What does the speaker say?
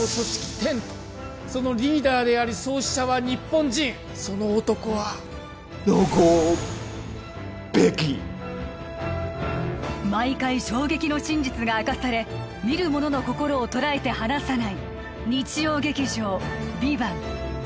テントそのリーダーであり創始者は日本人その男はノゴーン・ベキ毎回衝撃の真実が明かされ見る者の心を捉えて離さない日曜劇場「ＶＩＶＡＮＴ」